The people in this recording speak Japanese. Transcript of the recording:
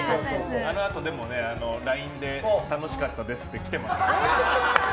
あのあとＬＩＮＥで楽しかったですって来てました。